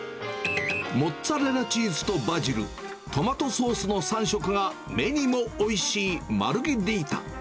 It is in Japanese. モッツァレラチーズとバジル、トマトソースの３色が目にもおいしいマルゲリータ。